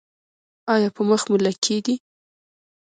ایا په مخ مو لکې دي؟